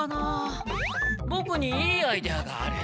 ボクにいいアイデアがある。